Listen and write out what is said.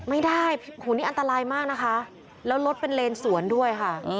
ไม่ได้หูนี่อันตรายมากนะคะแล้วรถเป็นเลนสวนด้วยค่ะ